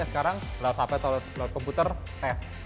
sekarang lewat hp lewat komputer test